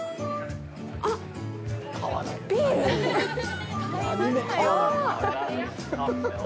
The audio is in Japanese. あっ、ビール？わあ。